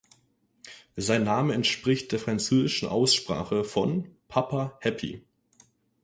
Sein Name entspricht der französischen Aussprache von "Papa Happy".